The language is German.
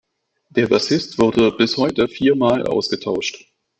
Der Bassist wurde bis heute viermal ausgetauscht.